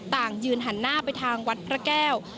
ต่างยืนหันหน้าไปทางวัดพระแก้ว